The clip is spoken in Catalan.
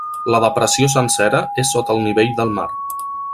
La depressió sencera és sota el nivell del mar.